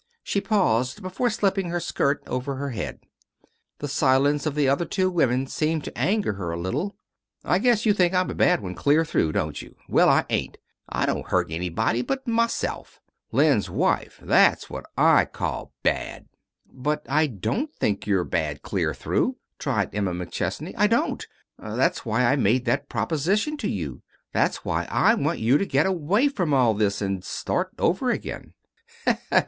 She paused before slipping her skirt over her head. The silence of the other two women seemed to anger her a little. [Illustration: '"Why, girls, I couldn't hold down a job in a candy factory'"] "I guess you think I'm a bad one, clear through, don't you? Well, I ain't. I don't hurt anybody but myself. Len's wife that's what I call bad." "But I don't think you're bad clear through," tried Emma McChesney. "I don't. That's why I made that proposition to you. That's why I want you to get away from all this, and start over again."